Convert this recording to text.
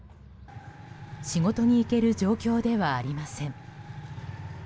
仕事に行ける状況ではありません。